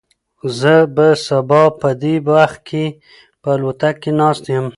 زه به سبا په دې وخت کې په الوتکه کې ناست یم.